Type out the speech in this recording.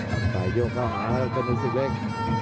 จ่ายโยงเข้าหาแล้วก็ธนูสุกเล็ก